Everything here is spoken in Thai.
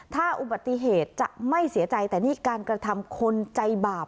ถ้าอุบัติเหตุจะไม่เสียใจแต่นี่การกระทำคนใจบาป